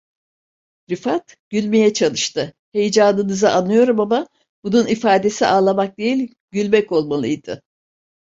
Rifat gülmeye çalıştı: "Heyecanınızı anlıyorum ama, bunun ifadesi ağlamak değil, gülmek olmalıydı…"